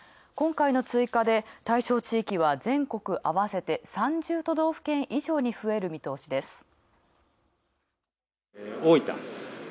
今回の追加で対象地域は全国あわせて３０都道府県以上に増える見通しです。